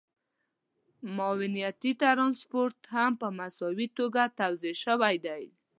معاونيتي ټرانسپورټ هم په مساوي توګه توزیع شوی دی